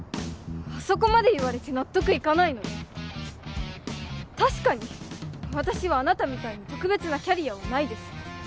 あそこまで言われて納得いかないので確かに私はあなたみたいに特別なキャリアはないです